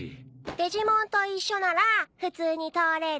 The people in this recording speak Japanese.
デジモンと一緒なら普通に通れるよ。